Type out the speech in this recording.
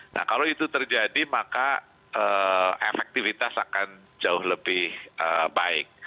nah kalau itu terjadi maka efektivitas akan jauh lebih baik